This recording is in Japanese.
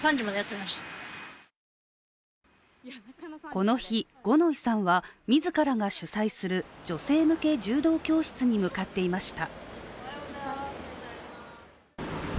この日、五ノ井さんは自らが主催する女性向け柔道教室に向かっていました。